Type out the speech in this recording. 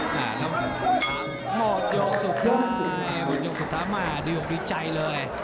หมดโยคสุดท้ายหมดโยคสุดท้ายมากดีโยคดีใจเลย